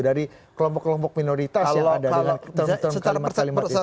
dari kelompok kelompok minoritas yang ada dalam term term kalimat kalimat itu